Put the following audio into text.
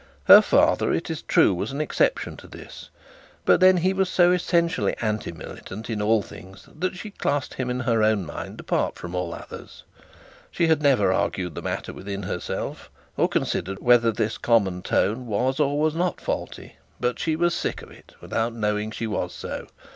Her father, it is true, was an exception to this; but then he was so essentially non militant in all things, that she classed him in her own mind apart from all others. She had never argued the matter within herself, or considered whether this common tone was or was not faulty; but she was sick of it without knowing that she was so.